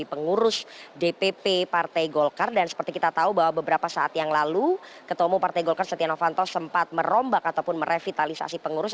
jadi pengurus dpp partai golkar dan seperti kita tahu bahwa beberapa saat yang lalu ketemu partai golkar stenovanto sempat merombak ataupun merevitalisasi pengurus